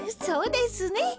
そうですね。